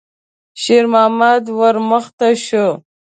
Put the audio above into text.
شېرمحمد ور مخته شو.